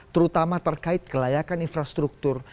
terutama terkait kelayakan infrastruktur